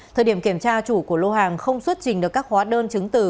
thời điểm kiểm tra chủ của lô hàng không xuất trình được các hóa đơn chứng từ